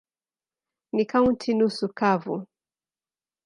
Ni kaunti nusu kavu.